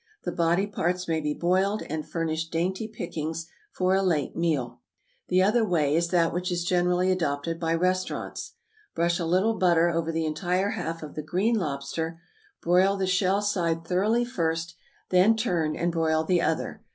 The body parts may be boiled, and furnish dainty pickings for a late meal. The other way is that which is generally adopted by restaurants. Brush a little butter over the entire half of the green lobster; broil the shell side thoroughly first, then turn, and broil the other.